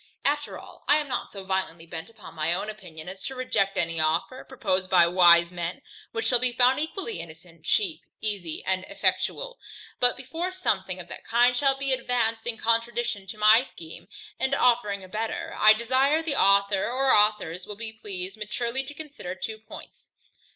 After all, I am not so violently bent upon my own opinion, as to reject any offer, proposed by wise men, which shall be found equally innocent, cheap, easy, and effectual. But before something of that kind shall be advanced in contradiction to my scheme, and offering a better, I desire the author or authors will be pleased maturely to consider two points.